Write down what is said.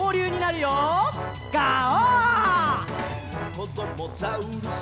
「こどもザウルス